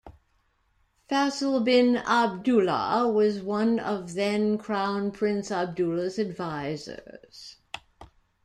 Faisal bin Abdullah was one of then Crown Prince Abdullah's advisors.